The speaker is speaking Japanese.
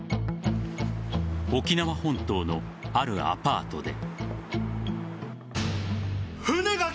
沖縄本島のあるアパートで。